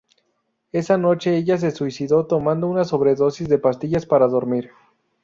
Esa noche ella se suicidó tomando una sobredosis de pastillas para dormir.